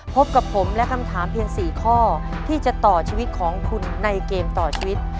พบกับผมและคำถามเพียง๔ข้อที่จะต่อชีวิตของคุณในเกมต่อชีวิต